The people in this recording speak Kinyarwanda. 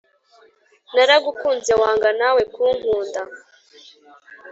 naragukunze wanga nawe kunkunda